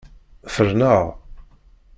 Ferneɣ.